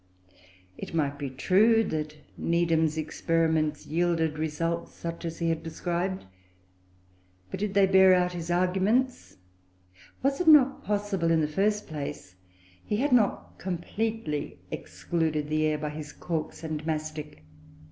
It might be true that Needham's experiments yielded results such as he had described, but did they bear out his arguments? Was it not possible, in the first place, he had not completely excluded the air by his corks and mastic?